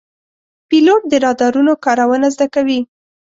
پیلوټ د رادارونو کارونه زده کوي.